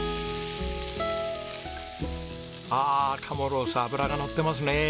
ああ鴨ロース脂がのってますねえ。